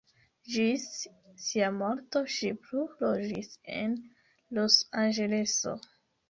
Ĝis sia morto ŝi plu loĝis en Los-Anĝeleso.